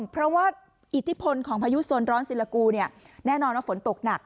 เพราะว่าอิทธิพลของพายุโซนร้อนศิลากูแน่นอนว่าฝนตกหนัก